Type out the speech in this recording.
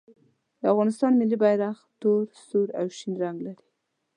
د افغانستان ملي بیرغ تور، سور او شین رنګ لري.